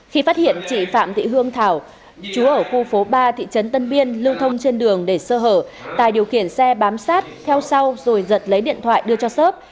khi phát hiện chị phạm thị hương thảo chú ở khu phố ba thị trấn tân biên lưu thông trên đường để sơ hở tài điều khiển xe bám sát theo sau rồi giật lấy điện thoại đưa cho sớp